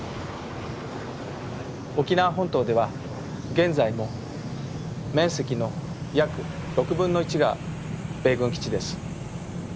沖縄本島では現在も面積の約６分の１が米軍基地です。